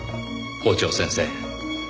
校長先生。